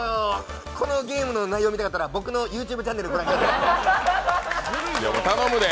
このゲームの内容を見たかったら、僕のＹｏｕＴｕｂｅチャンネル御覧ください。頼むで。